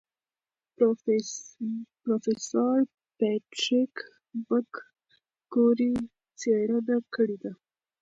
پروفیسور پیټریک مکګوري څېړنه کړې ده.